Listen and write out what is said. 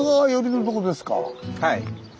はい。